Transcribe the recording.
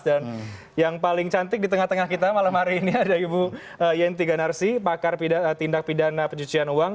dan yang paling cantik di tengah tengah kita malam hari ini ada ibu yenti ganarsi pakar tindak pidana pencucian uang